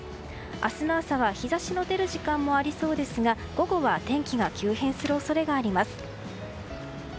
明日の朝は日差しの出る時間もありそうですが午後は天気が急変する恐れがあります。